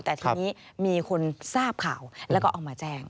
แต่ทีนี้มีคนทราบข่าวแล้วก็เอามาแจ้ง